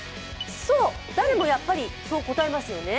そう、誰もがやっぱりそう答えますよね。